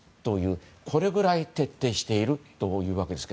これぐらい徹底しているということですが。